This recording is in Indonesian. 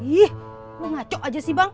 ih lu ngaco aja sih bang